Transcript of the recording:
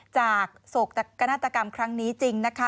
โศกนาฏกรรมครั้งนี้จริงนะคะ